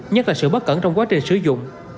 nhất là sự bất cẩn trong quá trình sử dụng